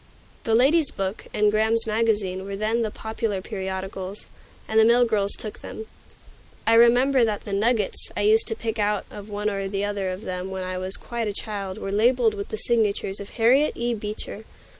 "The Lady's Book" and "Graham's Magazine" were then the popular periodicals, and the mill girls took them. I remember that the "nuggets" I used to pick out of one or the other of them when I was quite a child were labeled with the signature of Harriet E. Beecher.